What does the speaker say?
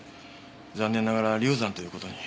残念ながら流産という事に。